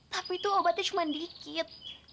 tapi itu obatnya cuma dikit